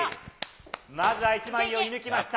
まずは１枚を射ぬきました。